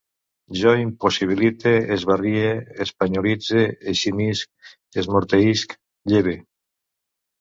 Jo impossibilite, esbarrie, espanyolitze, eximisc, esmorteïsc, lleve